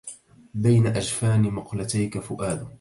بين أجفان مقلتيك فؤاد